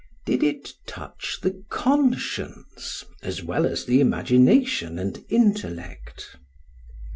did it touch the conscience as well as the imagination and intellect?